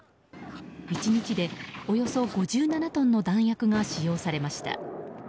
１日で、およそ５７トンの弾薬が使用されました。